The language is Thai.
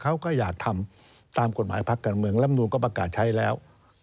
เขาก็อยากทำตามกฎหมายพักการเมืองลำนูนก็ประกาศใช้แล้ว